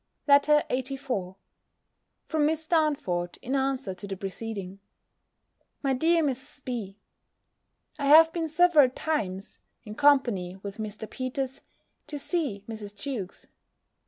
B, LETTER LXXXIV From Miss Darnford, in answer to the preceding. MY DEAR MRS. B., I have been several times (in company with Mr. Peters) to see Mrs. Jewkes.